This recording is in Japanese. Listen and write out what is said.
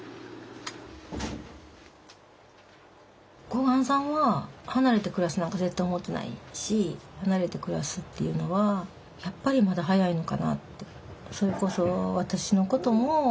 小雁さんは離れて暮らすなんか絶対思ってないし離れて暮らすっていうのはやっぱりまだ早いのかなって。